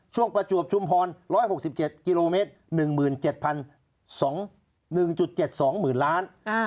ช่วงประจวบชุมพล๑๖๗กิโลเมตร๑๗๐๐๐๑๗๒หมื่นล้าน